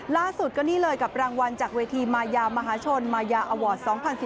ล่าสุดก็นี่เลยกับรางวัลจากเวทีมายามหาชนมายาอวอร์ด๒๐๑๙